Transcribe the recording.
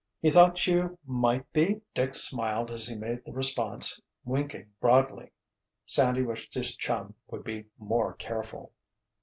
"He thought you might be—" Dick smiled as he made the response, winking broadly. Sandy wished his chum would be more careful.